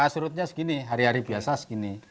surutnya segini hari hari biasa segini